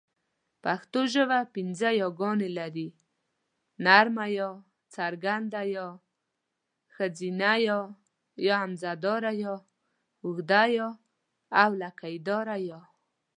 پښتو ژبه پینځه یاګانې لري: ی، ي، ئ، ې او ۍ